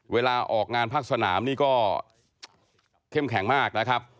เวลาออกงานภาคสนามนี่ก็เข้มแข็งมากนะครับ